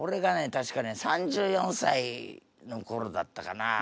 確かね３４歳のころだったかな。